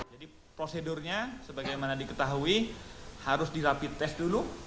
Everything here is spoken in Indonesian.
jadi prosedurnya sebagaimana diketahui harus dirapit tes dulu